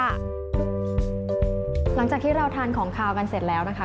หลังจากที่เราทานของขาวกันเสร็จแล้วนะคะ